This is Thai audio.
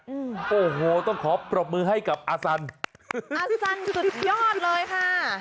อืมโอ้โหต้องขอปรบมือให้กับอาสันอาซันสุดยอดเลยค่ะ